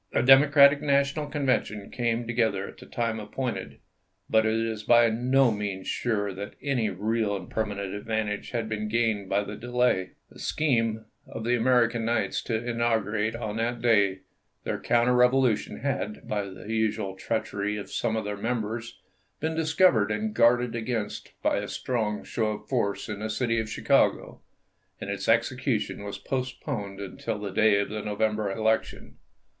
The Democratic National Convention came to gether at the time appointed, but it is by no Aug.29,1864. means sure that any real and permanent advan tage had been gained by the delay. The scheme 254 ABRAHAM LINCOLN chap. xi. of the American Knights to inaugurate on that day their counter revolution had, by the usual treachery of some of their members, been discovered and guarded against by a strong show of force in the city of Chicago, and its execution was post i9C4. poned until the day of the November election.